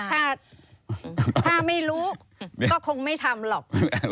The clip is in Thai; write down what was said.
ถ้าไม่รู้ก็คงไม่ทำหรอก